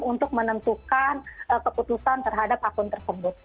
untuk menentukan keputusan terhadap akun tersebut